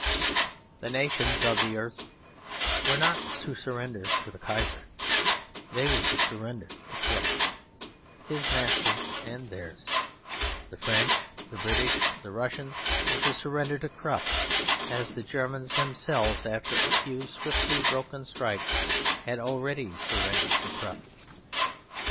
The nations of the earth were not to surrender to the Kaiser; they were to surrender to Krupp, his master and theirs; the French, the British, the Russians were to surrender to Krupp as the Germans themselves, after a few swiftly broken strikes, had already surrendered to Krupp.